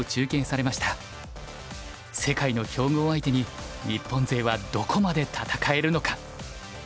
世界の強豪相手に日本勢はどこまで戦えるのか。